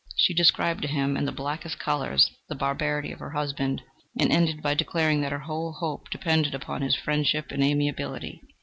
She described to him in the blackest colours the barbarity of her husband, and ended by declaring that her whole hope depended upon his friendship and amiability.